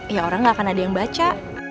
ya orang gak akan ada yang baca